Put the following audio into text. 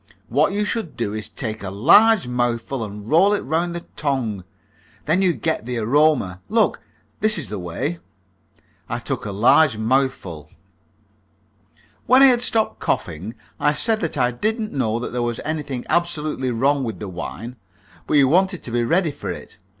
What you should do is to take a large mouthful and roll it round the tongue, then you get the aroma. Look: this is the way." I took a large mouthful. When I had stopped coughing I said that I didn't know that there was anything absolutely wrong with the wine, but you wanted to be ready for it.